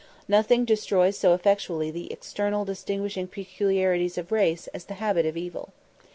Nothing destroys so effectually the external distinguishing peculiarities of race as the habit of evil.